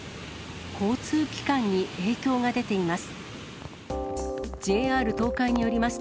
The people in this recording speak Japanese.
交通機関に影響が出ています。